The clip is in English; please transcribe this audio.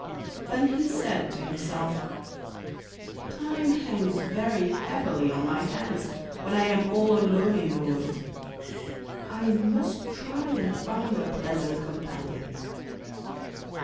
Then he said to himself: 'Time hangs very heavily on my hands when I'm all alone in the wood. I must try and find a pleasant companion.